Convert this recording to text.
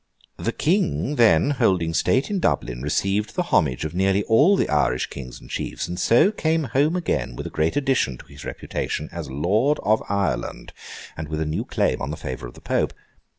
The King, then, holding state in Dublin, received the homage of nearly all the Irish Kings and Chiefs, and so came home again with a great addition to his reputation as Lord of Ireland, and with a new claim on the favour of the Pope.